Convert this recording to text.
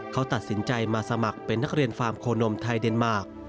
เขาตัดสินใจมาสมัครเป็นนักเรียนฟาร์มโคนมไทยเดนมาร์ค